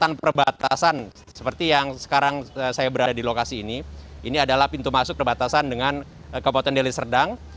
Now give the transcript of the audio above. kawasan perbatasan seperti yang sekarang saya berada di lokasi ini ini adalah pintu masuk perbatasan dengan kabupaten deli serdang